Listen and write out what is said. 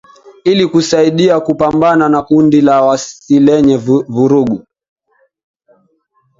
Ili kusaidia kupambana na kundi la waasi lenye vurugu